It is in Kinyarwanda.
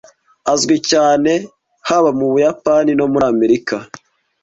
Azwi cyane haba mu Buyapani no muri Amerika.